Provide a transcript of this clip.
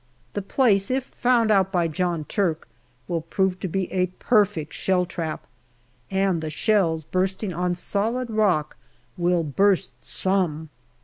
The place, if found out by John Turk, will prove to be a perfect shell trap, and shells bursting on solid rock will burst " some."